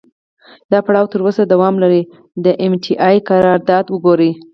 دا پړاو تر اوسه دوام لري، د ام ټي اې قرارداد وګورئ.